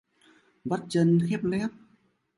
Vắt chân khép nép